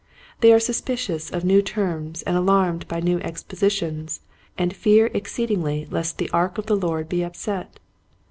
They are suspicious of new terms and alarmed by new expositions and fear exceedingly lest the ark of the Lord be upset.